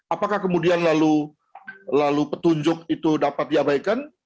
apakah kemudian lalu petunjuk itu dapat diabaikan